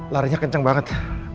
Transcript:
larinya kenceng banget